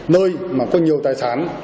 nơi mà có nhiều tài sản